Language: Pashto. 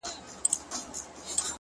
• ستا تر ناز دي صدقه بلا گردان سم,